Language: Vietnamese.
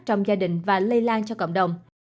trong gia đình và lây lan cho cộng đồng